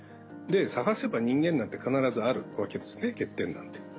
で探せば人間なんて必ずあるわけですね欠点なんて。